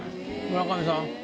村上さん。